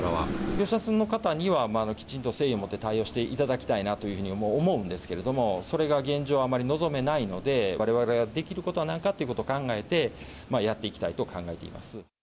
業者の方にはきちんと誠意をもって対応していただきたいなというふうにも思うんですけども、それが現状、あまり望めないので、われわれができることは何かっていうことを考えて、やっていきたいと考えています。